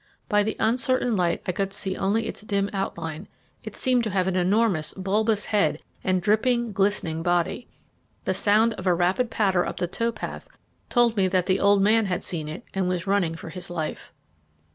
By the uncertain light I could only see its dim outline; it seemed to have an enormous bulbous head and dripping, glistening body. The sound of a rapid patter up the tow path told me that the old man had seen it and was running for his life.